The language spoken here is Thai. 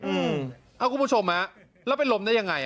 อืมเอาคุณผู้ชมมาแล้วเป็นลมได้ยังไง